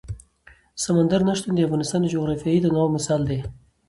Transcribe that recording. سمندر نه شتون د افغانستان د جغرافیوي تنوع مثال دی.